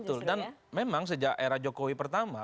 betul dan memang sejak era jokowi pertama